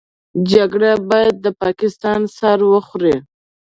جګړه بايد د پاکستان سر وخوري.